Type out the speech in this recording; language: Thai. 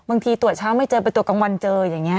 บางทีตัวเช้าไม่เจอไปตัวกลางวันเจออย่างเนี้ย